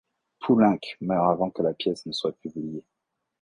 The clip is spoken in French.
Poulenc meurt avant que la pièce ne soit publiée.